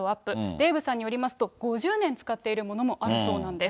デーブさんによりますと、５０年使っているものもあるそうなんです。